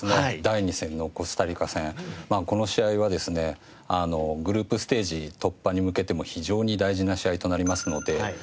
まあこの試合はですねグループステージ突破に向けても非常に大事な試合となりますので。